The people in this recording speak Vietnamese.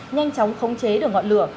nhanh chóng khống chế được ngọn lửa